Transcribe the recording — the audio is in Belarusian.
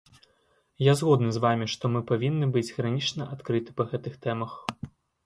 Я згодны з вамі, што мы павінны быць гранічна адкрыты па гэтых тэмах.